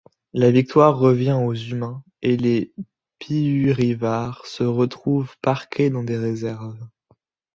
La victoire revient aux humains et les Piurivars se retrouvent parqués dans des réserves.